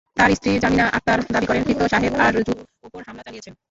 তাঁর স্ত্রী জামিনা আক্তার দাবি করেন, ক্ষিপ্ত সাহেদ আরজুর ওপর হামলা চালিয়েছেন।